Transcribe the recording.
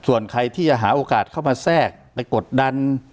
ส่วนใครที่จะหาโอกาสเข้ามาแทรกไปกดดัน